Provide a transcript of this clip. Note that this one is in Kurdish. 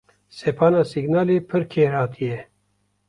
Sepana Signalê pir kêrhatî ye.